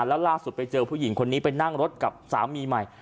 แล้วล่าสุดไปเจอผู้หญิงคนนี้ไปนั่งรถกับสามีใหม่